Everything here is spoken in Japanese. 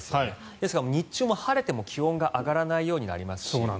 ですが日中も晴れても気温が上がらないようになりますし。